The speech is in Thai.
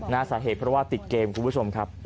สาเหตุเพราะว่าติดเกมคุณผู้ชมครับ